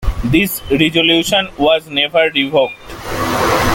This resolution was never revoked.